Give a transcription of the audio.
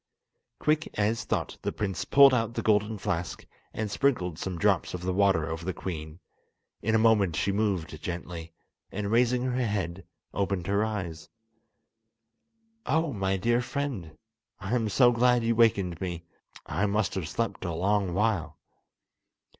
Quick as thought the prince pulled out the golden flask, and sprinkled some drops of the water over the queen. In a moment she moved gently, and raising her head, opened her eyes. "Oh, my dear friend, I am so glad you wakened me; I must have slept a long while!"